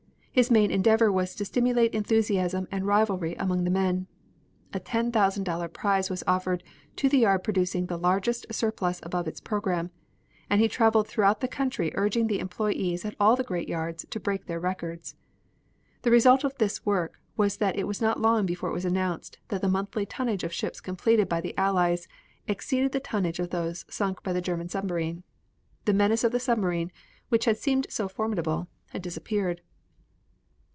His main endeavor was to stimulate enthusiasm and rivalry among the men. A ten thousand dollar prize was offered to the yard producing the largest surplus above its program, and he traveled throughout the country urging the employees at all the great yards to break their records. The result of his work was that it was not long before it was announced that the monthly tonnage of ships completed by the Allies exceeded the tonnage of those sunk by the German submarine. The menace of the submarine, which had seemed so formidable, had disappeared.